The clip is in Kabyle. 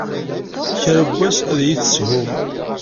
Kra n wass ad iyi-teshum.